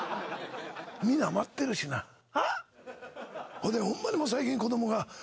ほんでホンマにもう最近子供が。